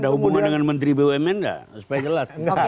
ada hubungan dengan menteri bumn nggak supaya jelas